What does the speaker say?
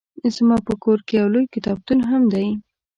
زما په کور کې يو لوی کتابتون هم دی